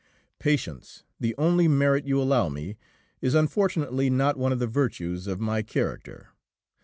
"Patience, the only merit you allow me, is unfortunately not one of the virtues of my character.